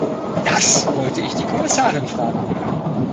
Das wollte ich die Kommissarin fragen.